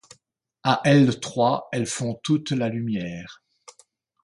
A elles trois, elles font toute la lumière.